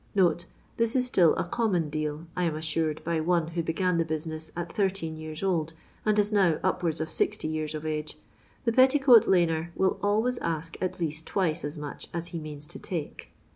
[This is still a common " deal," I am assured by one who began the businoM at 18 years old, and is now upwards of 60 years of age. The Pet* ticoat laner will always ask at least twiee as much as he means to take.